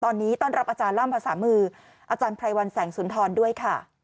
ตอนนี้ต้อนรับอาจารย์ล่ำภาษามืออาจารย์ไพรวันแสงสุนทรด้วยค่ะ